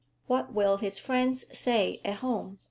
"What will his friends say at home?"